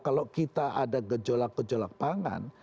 kalau kita ada gejolak gejolak pangan